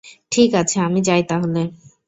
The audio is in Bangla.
ঠিক আছে, আমি যাই তাহলে।